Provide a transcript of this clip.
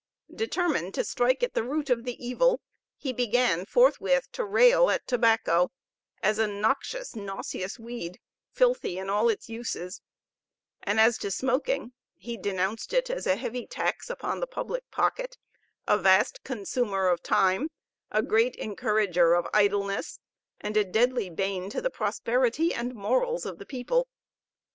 Determined to strike at the root of the evil, he began forthwith to rail at tobacco as a noxious, nauseous weed, filthy in all its uses; and as to smoking, he denounced it as a heavy tax upon the public pocket, a vast consumer of time, a great encourager of idleness, and a deadly bane to the prosperity and morals of the people.